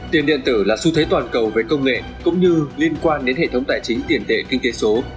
tiền điện tử là xu thế toàn cầu về công nghệ cũng như liên quan đến hệ thống tài chính tiền tệ kinh tế số